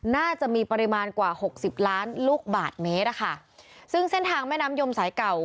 น่าจะมีปริมาณกว่าหกสิบล้านลูกบาทเมตรอะค่ะซึ่งเส้นทางแม่น้ำยมสายเก่า